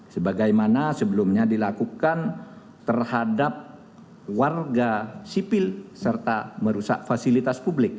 sebagaimana sebelumnya dilakukan terhadap warga sipil serta merusak fasilitas publik